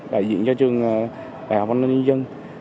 đại diện cho trường đại học công an nhân dân